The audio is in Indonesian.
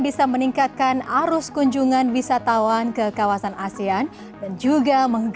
bisa meningkatkan arus kunjungan wisatawan ke kawasan asean dan juga